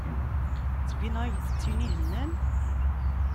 Ttbineɣ-ak-d d tin ihennan?